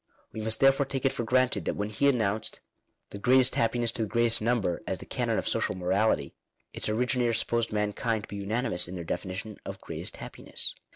We must therefore take it for granted that when he announced "the greatest happiness to the greatest number" as the canon of social morality, its originator supposed mankind to be unanimous in their definition of " greatest happiness."